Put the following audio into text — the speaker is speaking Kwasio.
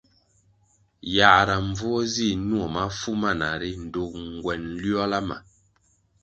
Yãhra mbvuo zi nuo mafu mana ri ndtug nguen nliola ma.